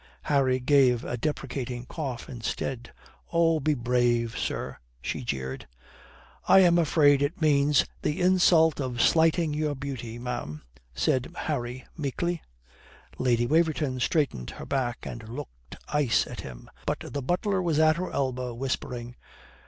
Harry gave a deprecating cough instead. "Oh, be brave, sir," she jeered. "I am afraid it means 'the insult of slighting your beauty,' ma'am," said Harry meekly. Lady Waverton straightened her back and looked ice at him. But the butler was at her elbow, whispering.